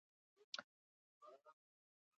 غول د بیا رغونې څرک دی.